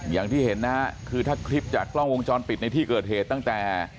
อย่างที่เห็นนะฮะคือถ้าคลิปจากกล้องวงจรปิดในที่เกิดเหตุตั้งแต่